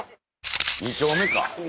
２丁目か。